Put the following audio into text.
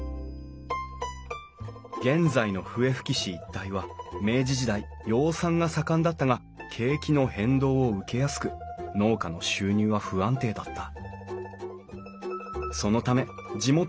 現在の笛吹市一帯は明治時代養蚕が盛んだったが景気の変動を受けやすく農家の収入は不安定だった。